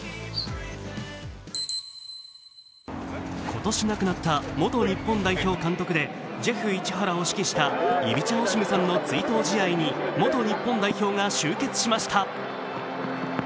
今年亡くなった元日本代表監督でジェフ市原を指揮したイビチャ・オシムさんの追悼試合に元日本代表が終結しました。